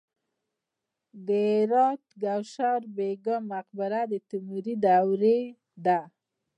د هرات ګوهردش بیګم مقبره د تیموري دورې ده